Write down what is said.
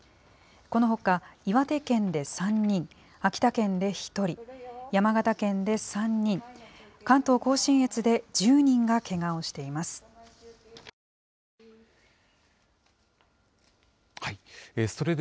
このほか、岩手県で３人、秋田県で１人、山形県で３人、関東甲信越で１０人がけがをしています。